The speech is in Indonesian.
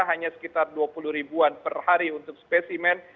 hanya sekitar dua puluh ribuan per hari untuk spesimen